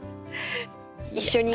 一緒に。